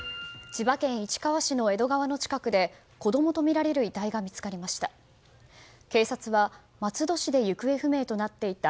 千葉県市川市の江戸川の近くで子供とみられる遺体が見つかりました。